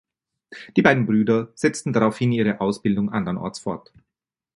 Die beiden Brüder setzten daraufhin ihre Ausbildung andernorts fort.